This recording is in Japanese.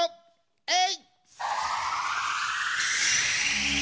えい！